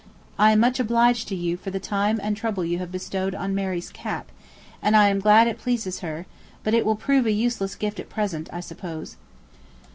I am much obliged to you for the time and trouble you have bestowed on Mary's cap, and am glad it pleases her; but it will prove a useless gift at present, I suppose.